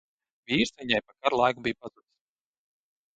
Vīrs viņai pa kara laiku bija pazudis.